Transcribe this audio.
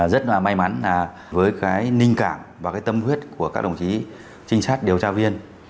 rất may mắn với ninh cảm và tâm huyết của các đồng chí trinh sát điều tra viên